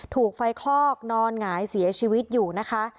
ถูกไฟคลอกนอนหงายเสียชีวิตอยู่นะคะ